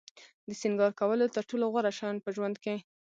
د سینگار کولو تر ټولو غوره شیان په ژوند کې.